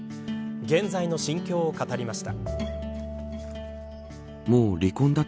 現在の心境を語りました。